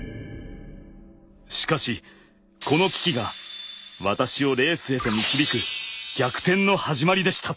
しかしこの危機が私をレースへと導く逆転の始まりでした。